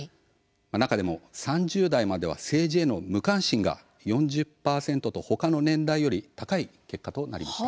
中でも３０代までは政治への無関心が４０％とほかの年代より高い結果となっています。